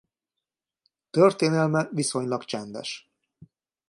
Történelme viszonylag csendes.